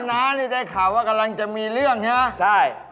และนานี่ได้ข่าวว่ากำลังจะมีเรื่องนะใช่